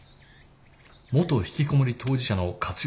元ひきこもり当事者の活用